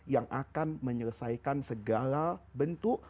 yang akan menyelesaikan segala bentuk